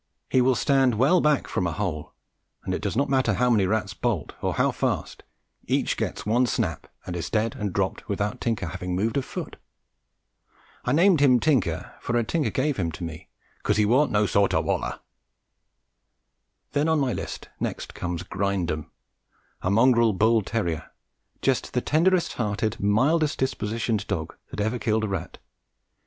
He will stand well back from a hole, and it does not matter how many rats bolt, or how fast, each gets one snap and is dead and dropped without Tinker having moved a foot. I named him Tinker, for a tinker gave him to me "cos he warn't no sort of waller." Then on my list next comes "Grindum," a mongrel bull terrier, just the tenderest hearted, mildest dispositioned dog that ever killed a rat.